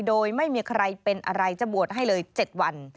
โดยไม่มีใครเป็นอะไรจะบวชให้เลย๗วัน